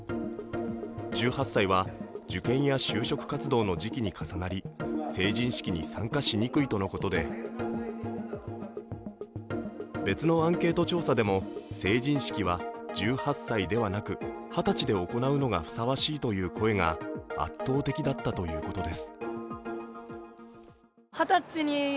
１８歳は受験や就職活動の時期に重なり成人式に参加しにくいとのことで別のアンケート調査でも、成人式は１８歳ではなく二十歳で行うのがふさわしいという声が圧倒的だったということです。